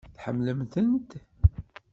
Tḥemmlemt-tent?